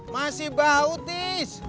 masih bau ties